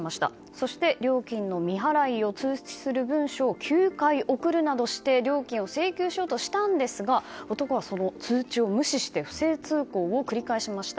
そして、料金の未払いを通知する文書を９回、送るなどして料金を請求しようとしたんですが男はその通知を無視して不正通行を繰り返しました。